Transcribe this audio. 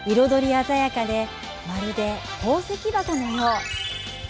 鮮やかでまるで宝石箱のよう。